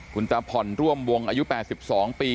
คุณตาผ่อนร่วมวงอายุ๘๒ปี